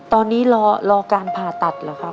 ตอนนี้รอการผ่าตัดเหรอครับ